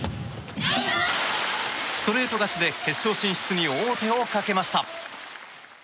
ストレート勝ちで決勝進出に王手をかけました。